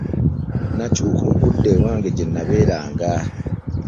Nakyuka okudda ewange gye nabeeranga.